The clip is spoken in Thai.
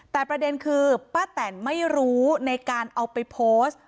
แต่ประเด็นคือป้าแตนไม่รู้ในการเอาไปโพสต์